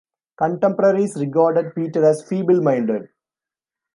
Contemporaries regarded Peter as feeble-minded.